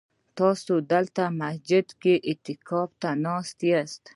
تاسي دلته مسجد کي اعتکاف ته ناست ياست؟